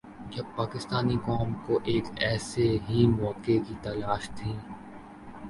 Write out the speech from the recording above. جب پاکستانی قوم کو ایک ایسے ہی موقع کی تلاش تھی۔